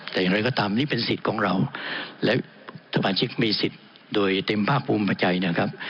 แต่อย่างไรก็ตามนี่เป็นสิทธิ์ของเราและสมาชิกมีสิทธิ์โดยเต็มภาคภูมิพอใจนะครับ